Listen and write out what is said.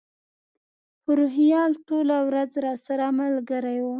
خو روهیال ټوله ورځ راسره ملګری و.